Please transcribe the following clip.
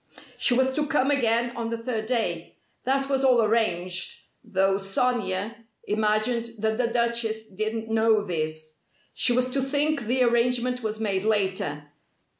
She was to come again on the third day. That was all arranged, though Sonia imagined that the Duchess didn't know this. She was to think the arrangement was made later.